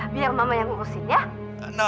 biar mama yang ngurusin ya